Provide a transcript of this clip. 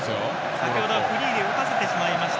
先ほどはフリーで打たせてしまいました。